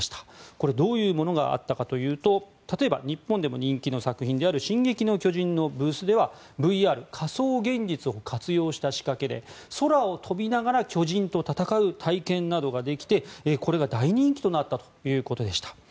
これ、どういうものがあったかというと例えば日本でも人気の作品である「進撃の巨人」のブースではＶＲ・仮想現実を活用した仕掛けで空を飛びながら巨人と戦う体験などができてこれが大人気となったということでした。